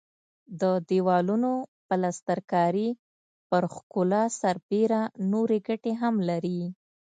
د دېوالونو پلستر کاري پر ښکلا سربېره نورې ګټې هم لري.